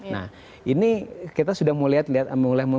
nah ini kita sudah mulai memperbaiki